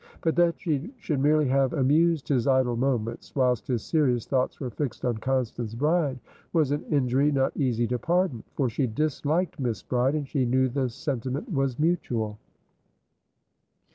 But that she should merely have amused his idle moments, whilst his serious thoughts were fixed on Constance Bride, was an injury not easy to pardon. For she disliked Miss Bride, and she knew the sentiment was mutual.